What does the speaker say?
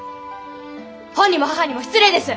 本にも母にも失礼です！